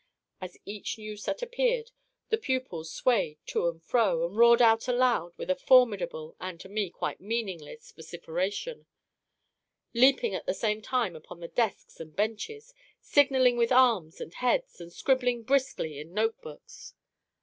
As each new set appeared, the pupils swayed to and fro, and roared out aloud with a formidable and to me quite meaningless vociferation; leaping at the same time upon the desks and benches, signalling with arms and heads, and scribbling briskly in note books.